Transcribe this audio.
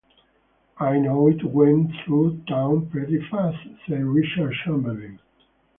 "I know it went through town pretty fast," said Richard Chamberlain.